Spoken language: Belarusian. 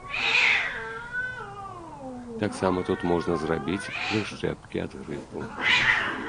Таксама тут можна зрабіць прышчэпкі ад грыпу.